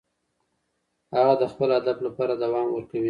هغه د خپل هدف لپاره دوام ورکوي.